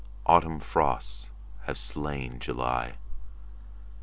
Autumn frosts have slain July.